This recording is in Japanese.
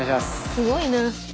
すごいな！